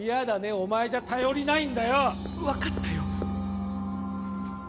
お前じゃ頼りないんだよ分かったよ